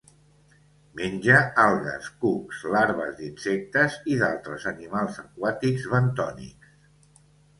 Menja algues, cucs, larves d'insectes i d'altres animals aquàtics bentònics.